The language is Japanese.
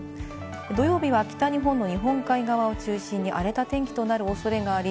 土曜日は北日本の日本海側を中心に荒れた天気となる恐れがあり、